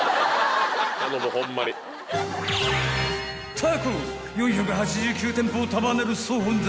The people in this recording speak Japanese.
［タコ４８９店舗を束ねる総本山］